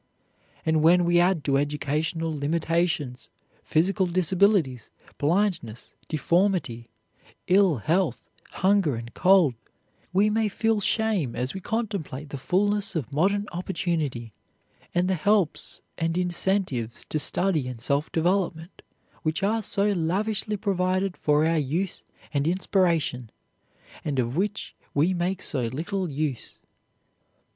And when we add to educational limitations, physical disabilities, blindness, deformity, ill health, hunger and cold, we may feel shame as we contemplate the fulness of modern opportunity and the helps and incentives to study and self development which are so lavishly provided for our use and inspiration, and of which we make so little use.